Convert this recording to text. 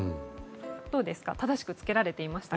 どうですか、正しく着けられていましたか。